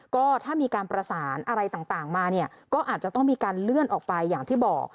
ก็ถ้ามีการประสานอะไรต่างมาเนี่ยก็อาจจะต้องมีการเลื่อนออกไปอย่างที่บอก